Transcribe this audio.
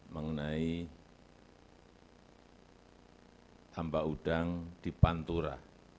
mengenai hamba udang di pantura